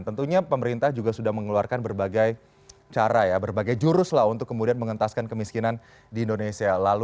tentunya pemerintah juga sudah mengeluarkan berbagai cara ya berbagai jurus lah untuk kemudian mengentaskan kemiskinan di indonesia